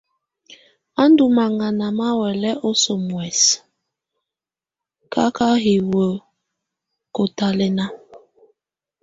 Á ndɔ́ maŋaná má huɛ̀lɛ́ oso muɛ̀sɛ káká hiwǝ́ kɔ́tálɛ́na.